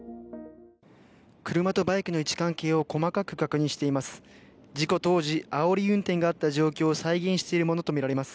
車とバイクの位置関係を細かく確認しています。